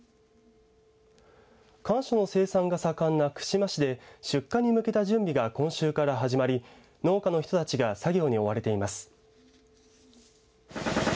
かんしょの生産が盛んな串間市で出荷に向けた準備が今週から始まり農家の人たちが作業に追われています。